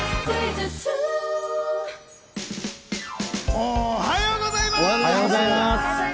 おはようございます！